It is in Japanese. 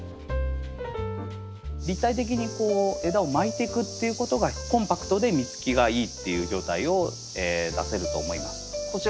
立体的にこう枝を巻いてくっていうことがコンパクトで実つきがいいっていう状態を出せると思います。